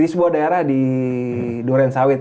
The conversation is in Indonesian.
di sebuah daerah di durensawit